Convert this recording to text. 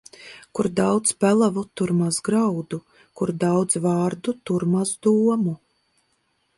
Kur daudz pelavu, tur maz graudu; kur daudz vārdu, tur maz domu.